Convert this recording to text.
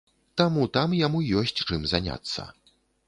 Таму там яму ёсць чым заняцца.